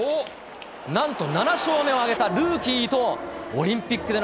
なんと、７勝目を挙げたルーキー、伊藤。